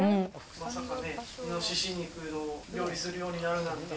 まさかイノシシ肉を料理するようになるなんて。